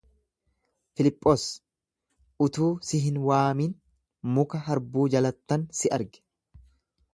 Filiphos utuu si hin waamin muka harbuu jalattan si arge.